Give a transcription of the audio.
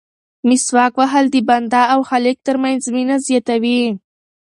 مسواک وهل د بنده او خالق ترمنځ مینه زیاتوي.